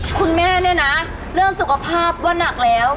คุณแม่เนี่ยนะเรื่องสุขภาพว่านักแล้ว